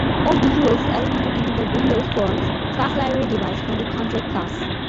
All visual elements in the Windows Forms class library derive from the Control class.